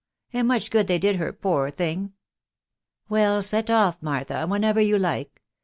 . and much good they did her, poor thing !" ce Well, set off, Martha, whenever you like.